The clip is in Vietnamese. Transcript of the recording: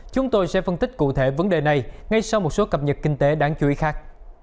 chúng tôi sẽ phân tích cụ thể vấn đề này ngay sau một số cập nhật kinh tế đáng chú ý khác